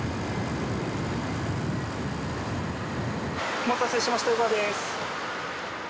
お待たせしましたウーバーです。